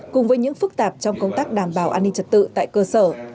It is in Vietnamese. cùng với những phức tạp trong công tác đảm bảo an ninh trật tự tại cơ sở